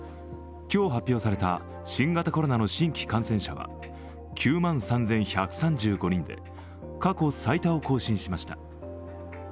今日発表された新型コロナの新規感染者は９万３１３５人で過去最多を更新しました。